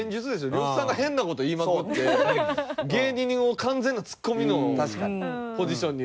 呂布さんが変な事言いまくって芸人を完全なツッコミのポジションに。